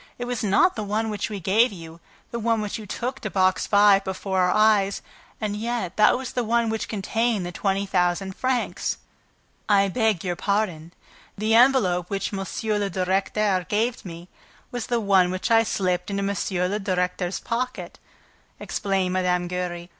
It was not the one which we gave you, the one which you took to Box Five before our eyes; and yet that was the one which contained the twenty thousand francs." "I beg your pardon. The envelope which M. le Directeur gave me was the one which I slipped into M. le Directeur's pocket," explained Mme. Giry.